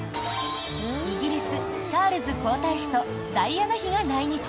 イギリス、チャールズ皇太子とダイアナ妃が来日。